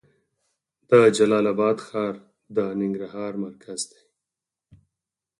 د جلال اباد ښار د ننګرهار مرکز دی